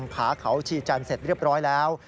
ผาเขาชีจันทร์เสร็จเรียบร้อยแล้ว